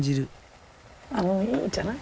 あもういいんじゃない。